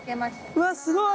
うわっすごい！